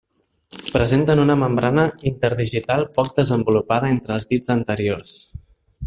Presenten una membrana interdigital poc desenvolupada entre els dits anteriors.